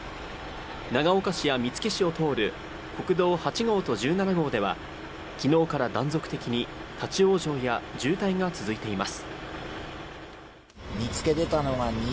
長岡市や見附市を通る国道８号と１７号では、昨日から断続的に立ち往生や渋滞が続いています。